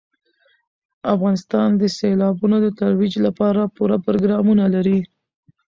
افغانستان د سیلابونو د ترویج لپاره پوره پروګرامونه لري.